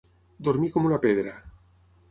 Dormir com una pedra.